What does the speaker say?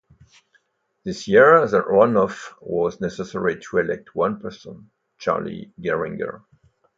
This year the runoff was necessary to elect one person, Charlie Gehringer.